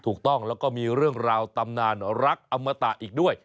ถูกต้องแล้วก็มีเรื่องราวตำนานรักอมตะอีกด้วย